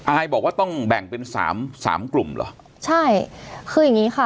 อายบอกว่าต้องแบ่งเป็นสามสามกลุ่มเหรอใช่คืออย่างงี้ค่ะ